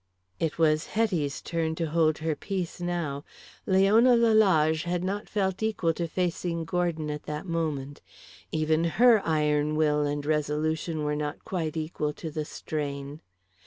It was Hetty's turn to hold her peace now. Leona Lalage had not felt equal to facing Gordon at that moment. Even her iron will and resolution were not quite equal to the strain.